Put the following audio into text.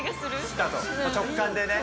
直感でね？